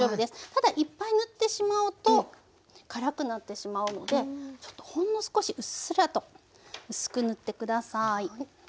ただいっぱい塗ってしまうと辛くなってしまうのでちょっとほんの少しうっすらと薄く塗って下さい。